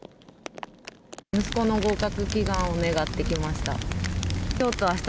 息子の合格祈願を願ってきました。